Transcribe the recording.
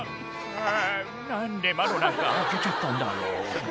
「あぁ何で窓なんか開けちゃったんだろう」